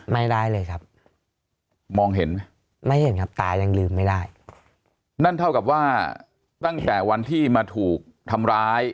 ไม่ได้เลยครับมองเห็นไหมไม่เห็นครับตายังลืมไม่ได้นั่นเท่ากับว่าตั้งแต่วันที่มาถูกทำร้าย